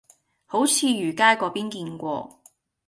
好似魚街嗰邊見過